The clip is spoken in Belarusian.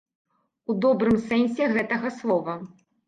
У добрым сэнсе гэтага слова.